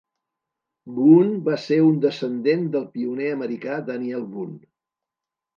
Boone va ser un descendent del pioner americà Daniel Boone.